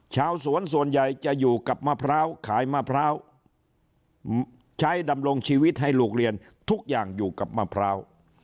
ชาวสวนส่วนใหญ่จะอยู่กับมะพร้าวขายมะพร้าวใช้ดำรงชีวิตให้ลูกเรียนทุกอย่างอยู่กับมะพร้าว